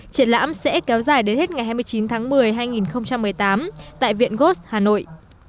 triển lãm sẽ kéo dài đến hết ngày hai mươi chín tháng một mươi hai nghìn một mươi tám tại viện gos hà nội